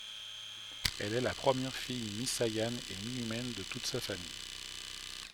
Elle est la première fille mi-Saiyanne et mi-humaine de toute sa famille.